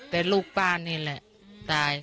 แต่ลูกป้านี่แหละตาย